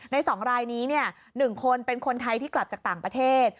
๒รายนี้๑คนเป็นคนไทยที่กลับจากต่างประเทศ